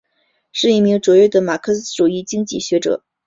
是一名卓越的马克思主义经济学者。